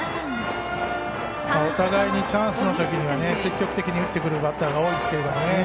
お互いにチャンスのときに積極的に打ってくるバッターが多いですけどね。